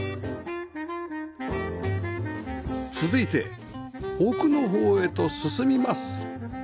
続いて奥の方へと進みます